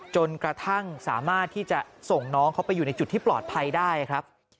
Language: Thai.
จนกระทั่งสามารถที่จะส่งน้องเขาไปอยู่ในจุดที่ปลอดภัยได้ครับ